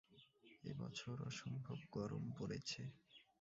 এ বছর অসম্ভব গরম পড়েছে।